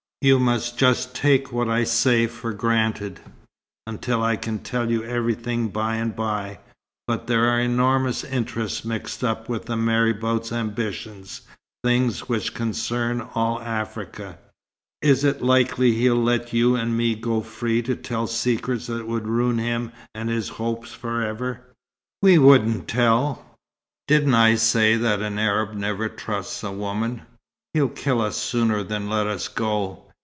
You must just take what I say for granted, until I can tell you everything by and by. But there are enormous interests mixed up with the marabout's ambitions things which concern all Africa. Is it likely he'll let you and me go free to tell secrets that would ruin him and his hopes for ever?" "We wouldn't tell." "Didn't I say that an Arab never trusts a woman? He'd kill us sooner than let us go.